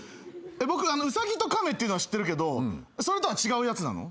僕『うさぎとかめ』っていうのは知ってるけどそれとは違うやつなの？